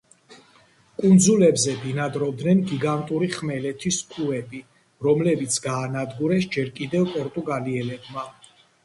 კუნძულებზე ბინადრობდნენ გიგანტური ხმელეთის კუები, რომლებიც გაანადგურეს ჯერ კიდევ პორტუგალიელებმა.